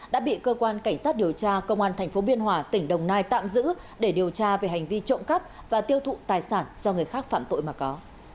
đã bị cơ quan cảnh sát điều tra công an tp biên hòa tỉnh đồng nai tạm giữ để điều tra về hành vi trộm cắp và tiêu thụ tài sản do người khác phạm tội mà có